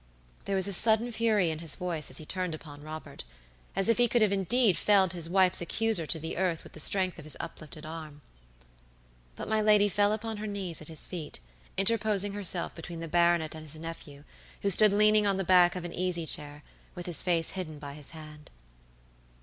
There was a sudden fury in his voice as he turned upon Robert, as if he could indeed have felled his wife's accuser to the earth with the strength of his uplifted arm. But my lady fell upon her knees at his feet, interposing herself between the baronet and his nephew, who stood leaning on the back of an easy chair, with his face hidden by his hand.